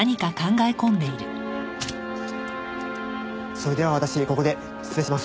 それでは私ここで失礼します。